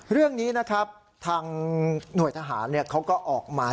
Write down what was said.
เรื่องนี้นะครับทางหน่วยทหารเขาก็ออกมา